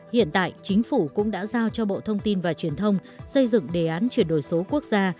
hiện tại chính phủ cũng đã giao cho bộ thông tin và truyền thông xây dựng đề án chuyển đổi số quốc gia